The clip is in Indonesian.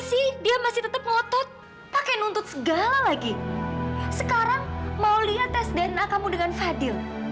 sih dia masih tetap ngotot pakai nuntut segala lagi sekarang mau lihat tes dna kamu dengan fadil